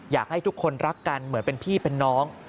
อยากให้ทุกคนรักกันเหมือนเป็นพี่เป็นน้อง